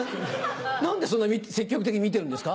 何でそんな積極的に見てるんですか？